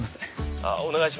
「あっお願いします」